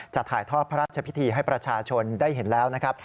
ถ่ายทอดพระราชพิธีให้ประชาชนได้เห็นแล้วนะครับ